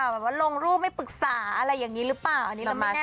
แบบว่าลงรูปไม่ปรึกษาอะไรอย่างนี้หรือเปล่าอันนี้เราไม่แน่